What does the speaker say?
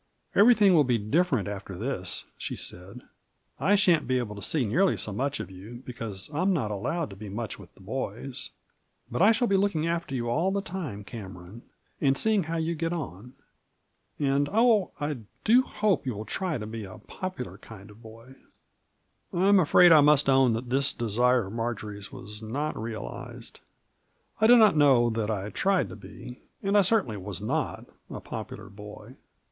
"Every thing will be different after this," she said ;" I sha'n't be able to see nearly so much of you, because I'm not allowed to be much with the boys. But I shall be look ing after you all the time, Cameron, and seeing how you get on. And oh ! I do hope you will try to be a popular kind of boy 1 " Digitized byVjOOQlC 90 MABJOBT. Vm afraid I must own that tliis desire of Marjory's was not realized. I do not know that I tried to be — and I certainly was not — ^a popukr boy.